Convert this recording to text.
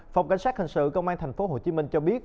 phòng cảnh sát hình sự công an tp hcm cho biết